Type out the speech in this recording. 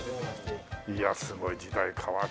いやすごい時代変わっちゃったね。